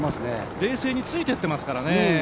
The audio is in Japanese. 冷静についていってますからね。